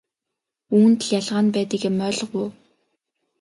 Үүнд л ялгаа нь байдаг юм ойлгов уу?